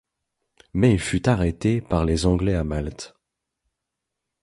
Mais il fut arrêté par les anglais à Malte.